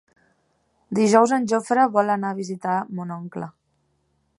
Dijous en Jofre vol anar a visitar mon oncle.